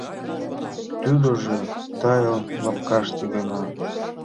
Тудыжо тайыл лапкаште гына.